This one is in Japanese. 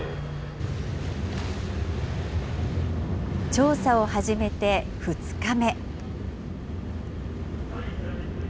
調査を始めて２日目。